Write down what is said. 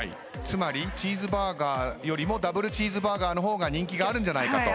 つまりチーズバーガーよりもダブルチーズバーガーの方が人気があるんじゃないかと。